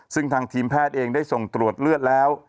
ซึ่งทางทีมแพทย์เองได้ส่งตรวจเลือดแล้ว